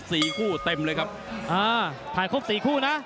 คู่เต็มเลยครับอ่าถ่ายครบสี่คู่นะ